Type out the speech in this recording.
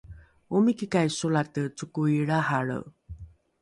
omikikai solate cokoi lrahalre?